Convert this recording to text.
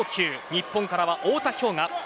日本からは太田彪雅。